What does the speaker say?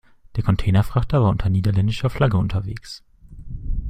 Der Containerfrachter war unter niederländischer Flagge unterwegs.